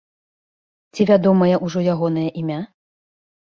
Ці вядомае ўжо ягонае імя?